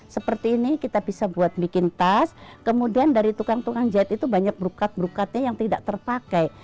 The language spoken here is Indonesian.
seperti ini kita bisa buat bikin tas kemudian dari tukang tukang jahit itu banyak berukat berukatnya yang tidak terpakai